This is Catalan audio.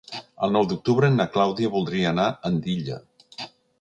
El nou d'octubre na Clàudia voldria anar a Andilla.